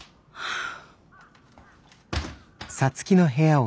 ああ。